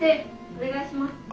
お願いします。